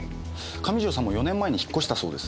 上条さんも４年前に引っ越したそうです。